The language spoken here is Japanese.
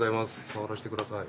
触らせて下さい。